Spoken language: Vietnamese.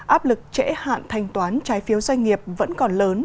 áp lực trễ hạn thành toán trái phiếu doanh nghiệp vẫn còn lớn